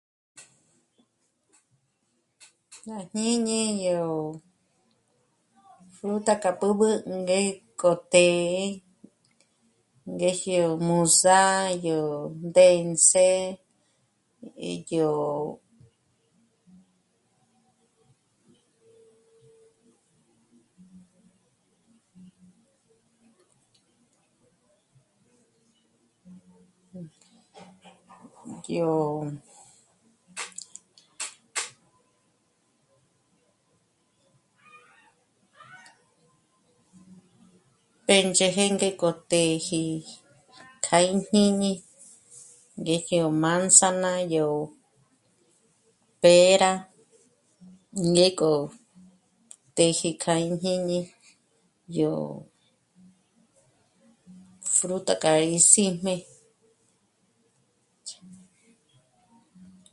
K'a jñíñi yó fruta k'a b'ǚb'ü ngék'o tě'e ngéje o múzà'a, yó ndéndze, yó... yó... péndzheje ngék'o téji k'a íjñíñi ngé jyó manzana, yó pěra, ngék'o téje k'a íjñíñi yó fruta k'a í síjme